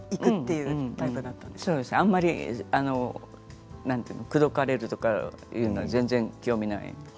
うーんあまり口説かれるというのは全然興味ない。